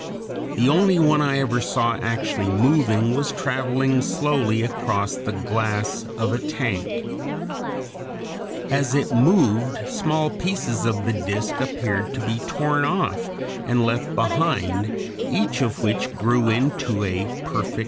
The only one I ever saw actually moving was traveling slowly across the glass of a tank. As it moved small pieces of the disk appeared to be torn off and left behind, each of which grew into a perfect sea anemone.